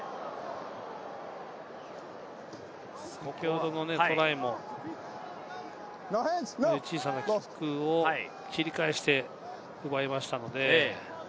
先ほどのトライも小さなキックを切り返して奪いましたので。